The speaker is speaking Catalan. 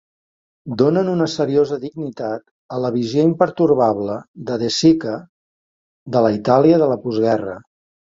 Donen una seriosa dignitat a la visió impertorbable de De Sica de la Itàlia de la postguerra.